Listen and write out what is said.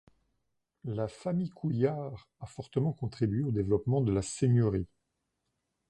La famille Couillard a fortement contribué au développement de la seigneurie.